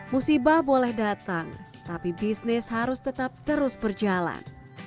musibah boleh datang tapi bisnis harus tetap terus berjalan